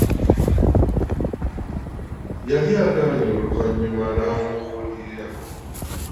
Yali agaanyi oluvannyuma n’amubuulira.